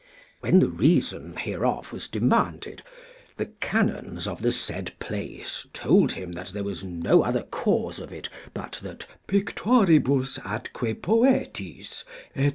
When the reason hereof was demanded, the canons of the said place told him that there was no other cause of it but that Pictoribus atque Poetis, &c.